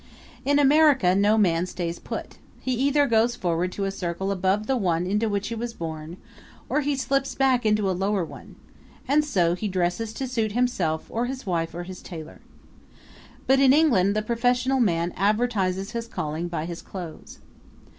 In America no man stays put he either goes forward to a circle above the one into which he was born or he slips back into a lower one; and so he dresses to suit himself or his wife or his tailor. But in England the professional man advertises his calling by his clothes.